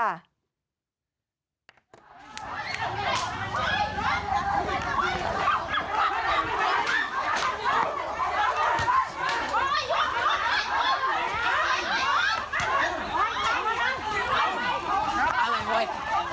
อะไรเว้ย